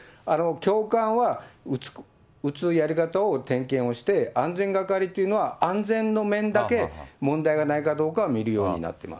教官は撃つやり方を点検をして、安全係っていうのは、安全の面だけ問題がないかどうか見るようになってます。